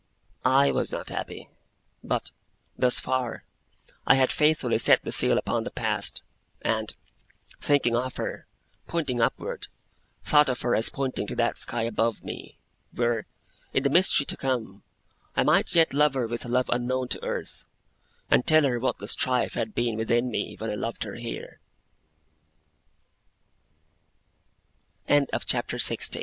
I was not happy; but, thus far, I had faithfully set the seal upon the Past, and, thinking of her, pointing upward, thought of her as pointing to that sky above me, where, in the mystery to come, I might yet love her with a love unknown on earth, and tell her what the strife had been within me when I loved